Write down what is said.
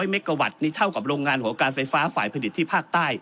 เมกาวัตต์นี่เท่ากับโรงงานหัวการไฟฟ้าฝ่ายผลิตที่ภาคใต้